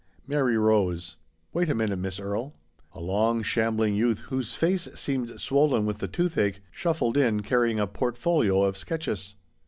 Mary rose. " Wait a minute, Miss Erie." A long, shambling youth, whose face seemed swollen with the toothache, shuffled in, carrying a portfolio of sketches.